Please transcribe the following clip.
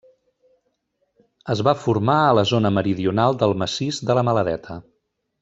Es va formar a la zona meridional del massís de la Maladeta.